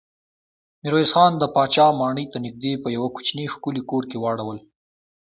ميرويس خان د پاچا ماڼۍ ته نږدې په يوه کوچيني ښکلي کور کې واړول.